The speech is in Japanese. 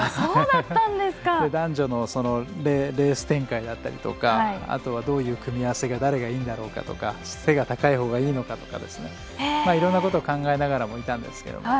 男女のレース展開だったりとかあとは、どういう組み合わせがいいのかとか背が高いほうがいいのかとかいろんなことを考えていたんですけど。